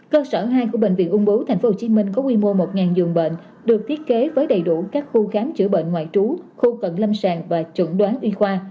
cơ sở hai của bệnh viện ung bú tp hcm có quy mô một giường bệnh được thiết kế với đầy đủ các khu khám chữa bệnh ngoại trú khu cận lâm sàng và chuẩn đoán y khoa